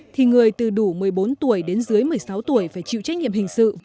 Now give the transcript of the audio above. thì người từ đủ một mươi bốn tuổi đến dưới một mươi sáu tuổi phải chịu trách nhiệm hình sự